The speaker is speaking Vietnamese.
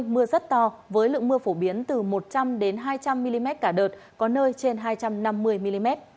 mưa rất to với lượng mưa phổ biến từ một trăm linh hai trăm linh mm cả đợt có nơi trên hai trăm năm mươi mm